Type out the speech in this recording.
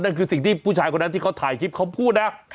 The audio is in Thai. คือสิ่งที่ผู้ชายคนนั้นที่เขาถ่ายคลิปเขาพูดนะ